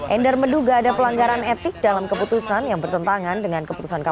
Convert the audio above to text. endar menduga ada pelanggaran etik dalam keputusan yang bertentangan dengan keputusan kpk